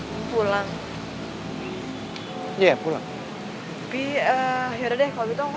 pulang tapi yaudah deh kalau gitu